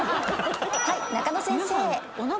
はい中野先生。